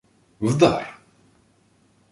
— Вдар!